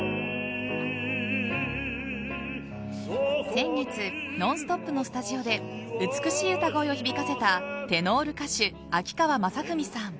先月「ノンストップ！」のスタジオで美しい歌声を響かせたテノール歌手・秋川雅史さん。